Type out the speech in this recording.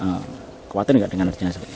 khawatir nggak dengan arsnya